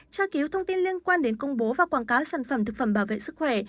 tra cứu thông tin liên quan đến công bố và quảng cáo sản phẩm thực phẩm bảo vệ sức khỏe